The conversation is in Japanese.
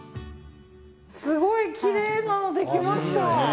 すごいきれいなのできました。